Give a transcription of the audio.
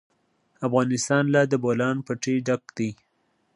افغانستان له د بولان پټي ډک دی.